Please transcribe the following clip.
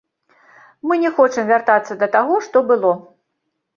Мы не хочам вяртацца да таго, што было.